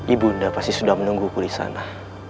ibu unda pasti sudah menungguku disana